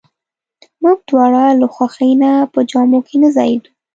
موږ دواړه له خوښۍ نه په جامو کې نه ځایېدو.